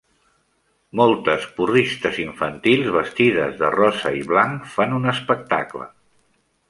Moltes porristes infantils vestides de rosa i blanc fan un espectacle.